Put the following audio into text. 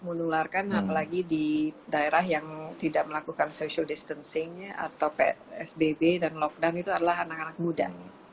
menularkan apalagi di daerah yang tidak melakukan social distancing atau psbb dan lockdown itu adalah anak anak muda